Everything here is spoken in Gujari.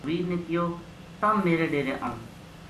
پروین نے کہیو:”تم میرے ڈیرے آؤں